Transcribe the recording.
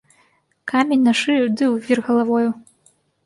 Камень на шыю ды ў вір галавою!